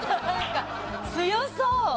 強そう！